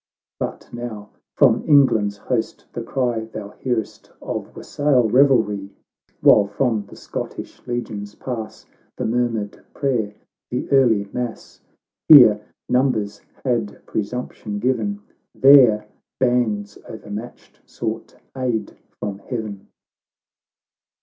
But now, from England's host, the cry Thou hear'st of wassail revelry, While from the Scottish legions pass The murmured prayer, the early mass !— Here, numbers had presumption given ; There, bands o'ermatched sought aid from Heaven.